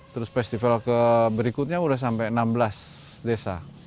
terus festival berikutnya sudah sampai enam belas desa